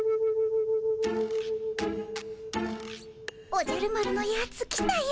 おじゃる丸のやつ来たよ。